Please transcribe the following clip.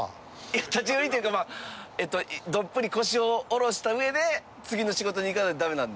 いや立ち寄りというかまあえっとどっぷり腰を下ろした上で次の仕事に行かないとダメなんですけど。